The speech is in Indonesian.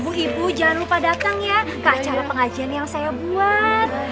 ibu ibu jangan lupa datang ya ke acara pengajian yang saya buat